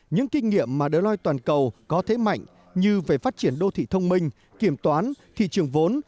những kinh nghiệm mà de toàn cầu có thế mạnh như về phát triển đô thị thông minh kiểm toán thị trường vốn